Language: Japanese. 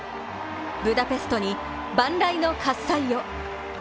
ブダペストに万雷の喝采を。